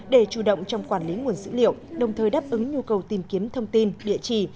để chủ động trong quản lý nguồn dữ liệu đồng thời đáp ứng nhu cầu tìm kiếm thông tin địa chỉ